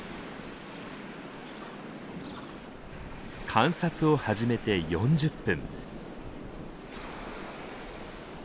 観察を始めて４０分。